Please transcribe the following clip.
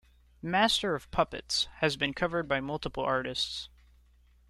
"Master of Puppets" has been covered by multiple artists.